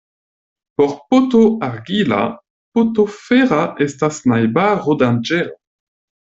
Por poto argila poto fera estas najbaro danĝera.